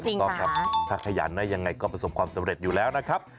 จริงค่ะถ้าขยันอย่างไรก็ผสมความสำเร็จอยู่แล้วนะครับ